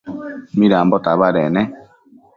Midambo tabadec ne?